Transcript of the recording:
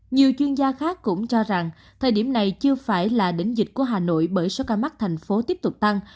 nhiều chuyên gia khác cũng cho rằng thời điểm này chưa phải là đỉnh dịch của hà nội bởi số ca mắc thành phố tiếp tục tăng